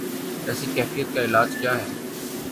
ایسی کیفیت کا علاج کیا ہے؟